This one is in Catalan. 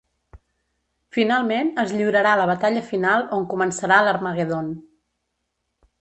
Finalment, es lliurarà la batalla final on començarà l'Harmagedon.